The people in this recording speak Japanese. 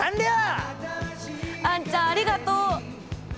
あんちゃんありがとう！